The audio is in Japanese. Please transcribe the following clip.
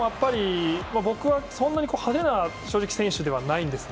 僕はそんなに派手な選手ではないんですね。